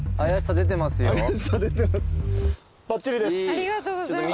ありがとうございます。